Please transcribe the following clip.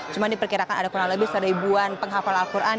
cuma diperkirakan ada kurang lebih seribuan penghafal al quran